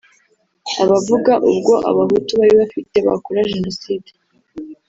aba avuga ubwo abahutu bari bafite bakora Genocide